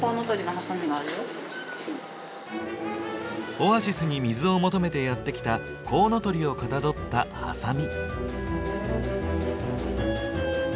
オアシスに水を求めてやって来たコウノトリをかたどったハサミ。